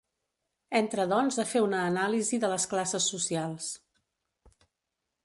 Entra doncs a fer una anàlisi de les classes socials.